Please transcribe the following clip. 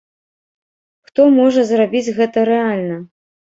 Хто можа зрабіць гэта рэальна?